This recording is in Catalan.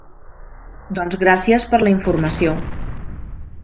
Doncs gràcies per la informació.